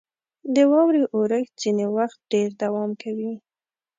• د واورې اورښت ځینې وخت ډېر دوام کوي.